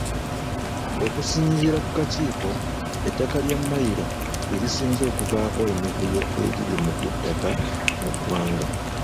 Okusinziira ku kakiiko, ettaka lya Mmayiro lye lisinze okuvaako emivuyo egiri mu by’ettaka mu ggwanga.